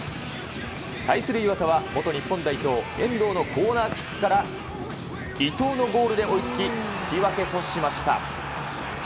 対する磐田は元日本代表、遠藤のコーナーキックから、伊藤のゴールで追いつき、引き分けとしました。